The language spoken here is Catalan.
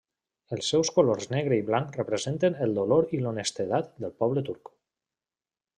Els seus colors negre i blanc representen el dolor i l'honestedat del poble turc.